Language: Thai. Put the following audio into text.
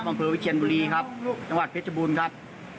บรรพื้นวิทยาลบุรีครับจังหวัดพิจบุญครับ